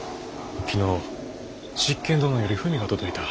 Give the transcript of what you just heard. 昨日執権殿より文が届いた。